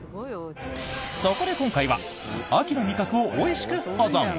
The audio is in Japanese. そこで今回は秋の味覚をおいしく保存！